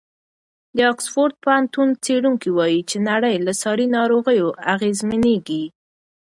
د اکسفورډ پوهنتون څېړونکي وایي چې نړۍ له ساري ناروغیو اغېزمنېږي.